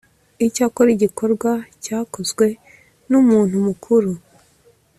Icyakora igikorwa cyakozwe n umuntu mukuru